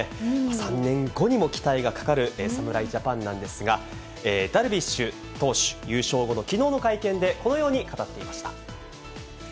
３年後にも期待がかかる侍ジャパンなんですが、ダルビッシュ投手、優勝後のきのうの会見でこのように語っていました。